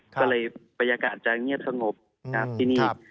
ก็เลยบรรยากาศจะเงียบสงบที่นี่